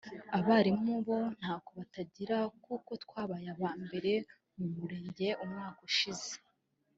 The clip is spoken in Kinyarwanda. abarimu bo ntako batagira kuko twabaye aba mbere mu Murenge umwaka ushize